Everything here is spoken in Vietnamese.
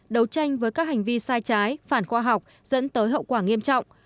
đấu tranh với các hành vi sai trái phản khoa học dẫn tới hậu quả nghiêm trọng